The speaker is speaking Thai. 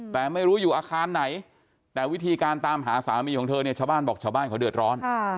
แต่ไม่รู้อยู่อาคารไหนแต่วิธีการตามหาสามีของเธอเนี่ยชาวบ้านบอกชาวบ้านเขาเดือดร้อน